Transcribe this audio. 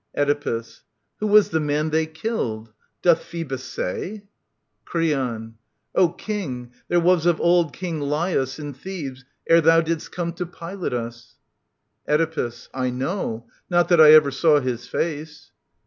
Oedipus. Who was the man they killed ? Doth Phoebus say ? Creon. D King, there was of old King Laius In Thebes, ere thou didst come to pilot us. Oedipus. I know : not that I ever saw his face.